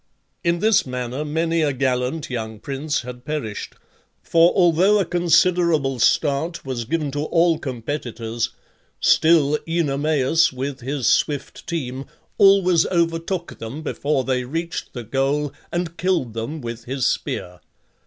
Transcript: In this manner many a gallant young prince had perished; for although a considerable start was given to all competitors, still Oenomaus, with his swift team, always overtook them before they reached the goal, and killed them with his spear.